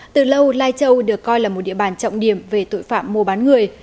từ lâu lai châu được coi là một địa bàn trọng điểm về tội phạm mua bán người